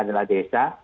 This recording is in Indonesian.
ada kepala desa